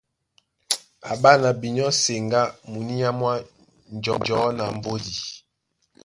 Á ɓána binyɔ́ seŋgá muníá mwá njɔ̌ na mbódi.